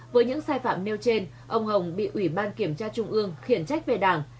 với những sai phạm nêu trên ông hồng bị ủy ban kiểm tra trung ương khiển trách về đảng